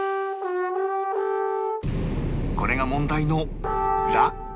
これが問題の「ラ」